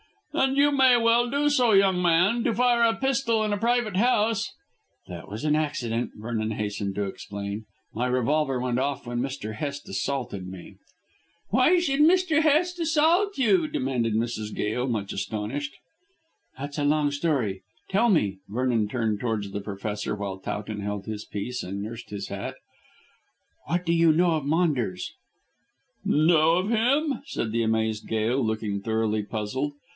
"And you may well do so, young man. To fire a pistol in a private house " "That was an accident," Vernon hastened to explain. "My revolver went off when Mr. Hest assaulted me." "Why should Mr. Hest assault you?" demanded Mrs. Gail, much astonished. "That's a long story. Tell me," Vernon turned towards the Professor while Towton held his peace and nursed his hat, "what do you know of Maunders?" "Know of him?" said the amazed Gail, looking thoroughly puzzled.